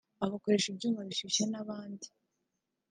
abakoresha ibyuma bishushye n’abandi